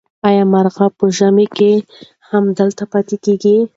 آیا مرغۍ په ژمي کې هم دلته پاتې کېږي؟